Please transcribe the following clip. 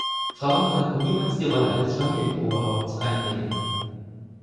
Frauen konnten niemals die Rolle eines Familienoberhaupts einnehmen.